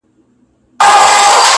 ته بچی د بد نصیبو د وطن یې؛